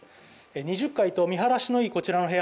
２０階と見晴らしのいいこちらの部屋